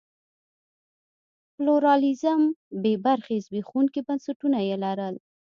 پلورالېزم بې برخې زبېښونکي بنسټونه یې لرل.